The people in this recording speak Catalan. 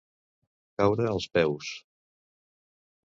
Caure als peus.